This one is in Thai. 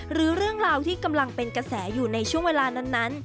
หรือเรื่องราวที่กำลังเป็นกระแสอยู่ในช่วงเวลานั้น